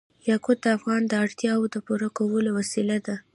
یاقوت د افغانانو د اړتیاوو د پوره کولو وسیله ده.